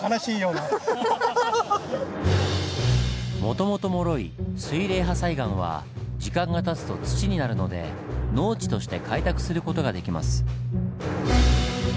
もともともろい水冷破砕岩は時間がたつと土になるので農地として開拓する事ができます。